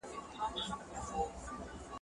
د افغانستان په لور په حرکت کې ډېر احتیاط پکار و.